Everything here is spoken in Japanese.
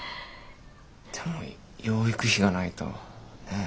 でも養育費がないとねえ